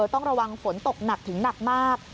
ต้องระวังฝนตกหนักถึงหนักมาก